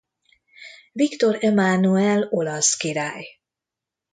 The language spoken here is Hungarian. Viktor Emánuel olasz király.